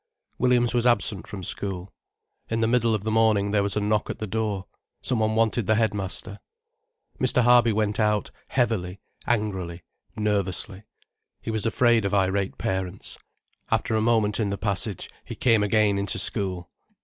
Williams was absent from school. In the middle of the morning there was a knock at the door: someone wanted the headmaster. Mr. Harby went out, heavily, angrily, nervously. He was afraid of irate parents. After a moment in the passage, he came again into school.